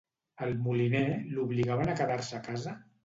Al moliner l'obligaven a quedar-se a casa?